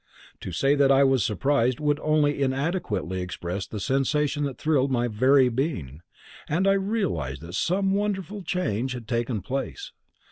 To say that I was surprised would only inadequately express the sensation that thrilled my very being, and I realized that some wonderful change had taken place.